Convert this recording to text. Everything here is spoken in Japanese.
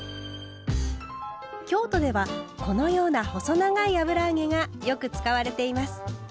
京都ではこのような細長い油揚げがよく使われています。